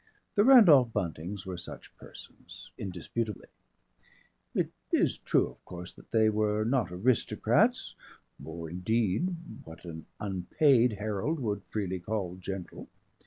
The Randolph Buntings were such persons indisputably. It is true of course that they were not Aristocrats, or indeed what an unpaid herald would freely call "gentle."